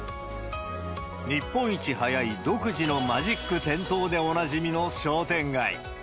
日本一早い、独自のマジック点灯でおなじみの商店街。